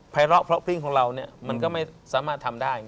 ภายเลาะเพราะพิธีของเราเนี่ยมันก็ไม่สามารถทำได้